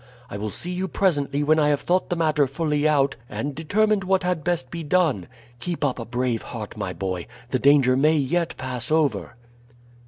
I will see you presently when I have thought the matter fully out and determined what had best be done. Keep up a brave heart, my boy; the danger may yet pass over."